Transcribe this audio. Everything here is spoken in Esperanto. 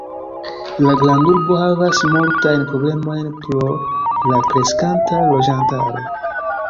La grandurbo havas multajn problemojn pro la kreskanta loĝantaro.